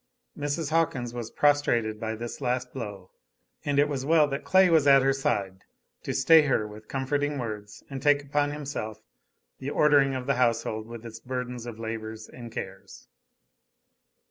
Mrs. Hawkins was prostrated by this last blow, and it was well that Clay was at her side to stay her with comforting words and take upon himself the ordering of the household with its burden of labors and cares.